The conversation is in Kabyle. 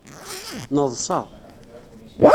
Neḍṣa.